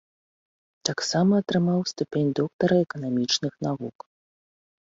Тамсама атрымаў ступень доктара эканамічных навук.